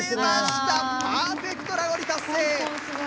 パーフェクトラゴリ達成！